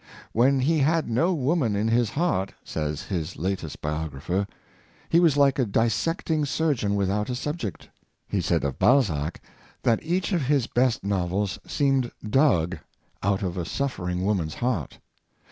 " When he had no woman in his heart," says his latest biographer, " he was like a dissecting surgeon without a subject. He said of Bal zac, that each of his best novels seemed dug out of a suffering woman's heart.